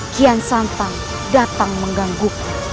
kian santang datang mengganggu